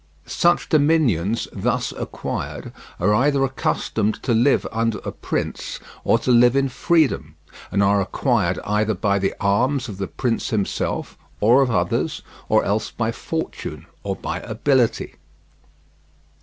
Such dominions thus acquired are either accustomed to live under a prince, or to live in freedom; and are acquired either by the arms of the prince himself, or of others, or else by fortune or by ability.